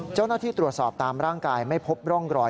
เจ้าหน้าที่ตรวจสอบตามร่างกายไม่พบร่องรอย